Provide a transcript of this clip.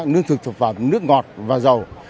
nước thực thực phẩm nước ngọt và dầu